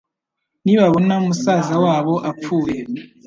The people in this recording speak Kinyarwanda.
nibabona musaza wabo apfuye.